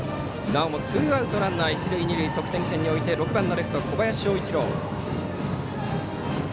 なおもツーアウトランナー、一塁二塁得点圏に置いて、打席には６番のレフト、小林昇一郎。